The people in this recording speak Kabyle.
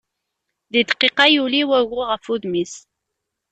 Deg dqiqa yuli wagu ɣef wudem-is.